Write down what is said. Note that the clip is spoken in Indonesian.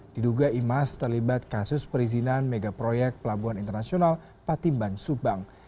diduga imas terlibat kasus perizinan megaproyek pelabuhan internasional patimban subang